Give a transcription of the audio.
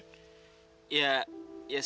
jadi mereka harus menerima hidup apa adanya ken